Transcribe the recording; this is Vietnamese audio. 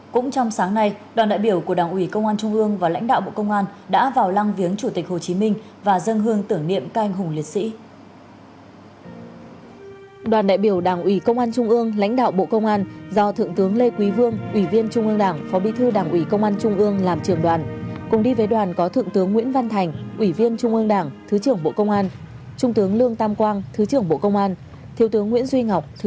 cũng trong sáng nay đoàn đại biểu của đảng ủy công an trung ương và lãnh đạo bộ công an đã vào lăng viếng chủ tịch hồ chí minh và dân hương tưởng niệm các anh hùng liệt sĩ